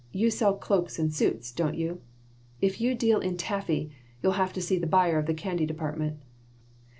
You sell cloaks and suits, don't you? If you deal in taffy, you'll have to see the buyer of the candy department."